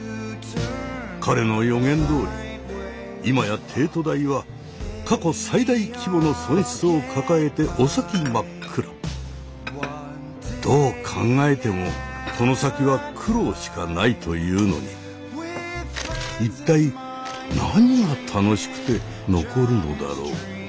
彼の予言どおり今や帝都大は過去最大規模の損失を抱えてお先真っ暗どう考えてもこの先は苦労しかないというのに一体何が楽しくて残るのだろう。